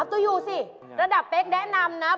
ตัวอยู่สิระดับเป๊กแนะนำนะ